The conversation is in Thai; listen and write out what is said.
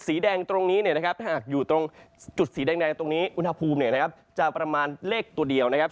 สีแดงตรงนี้เนี่ยนะครับถ้าหากอยู่ตรงจุดสีแดงตรงนี้อุณหภูมิเนี่ยนะครับจะประมาณเลขตัวเดียวนะครับ